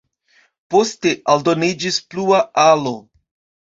Poste aldoniĝis plua alo.